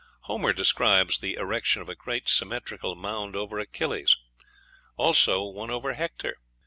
Homer describes the erection of a great symmetrical mound over Achilles, also one over Hector.